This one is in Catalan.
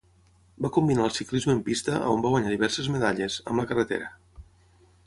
Va combinar el ciclisme en pista, on va guanyar diverses medalles, amb la carretera.